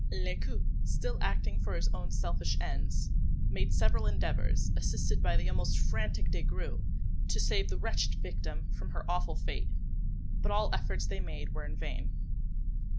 Lescaut, still acting for his own selfish ends, made several endeavours, assisted by the almost frantic Des Grieux, to save the wretched victim from her awful fate; but all the efforts they made were in vain.